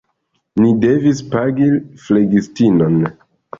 Ni devis pagi flegistinon.